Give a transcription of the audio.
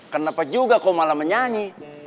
kenapa juga kau malah menyanyi